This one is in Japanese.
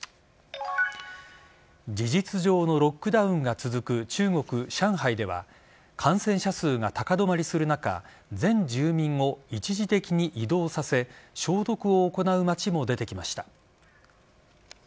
事実上のロックダウンが続く中国・上海では感染者数が高止まりする中全住民を一時的に移動させ消毒を行う街も出てきました。